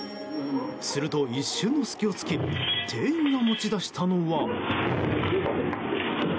すると一瞬の隙を突き店員が持ち出したのは。